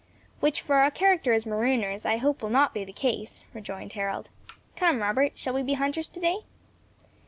"Which for our character as marooners I hope will not be the case," rejoined Harold. "Come, Robert, shall we be hunters today?"